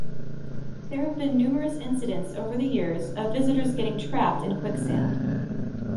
There have been numerous incidents over the years of visitors getting trapped in quicksand.